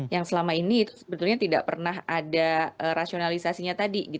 yang selama ini itu sebetulnya tidak pernah ada rasionalisasinya tadi